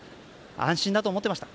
安心だと思ってました。